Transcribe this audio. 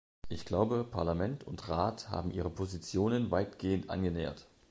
Ich glaube, Parlament und Rat haben ihre Positionen weitgehend angenähert.